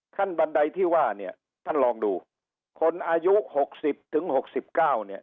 บันไดที่ว่าเนี่ยท่านลองดูคนอายุหกสิบถึงหกสิบเก้าเนี่ย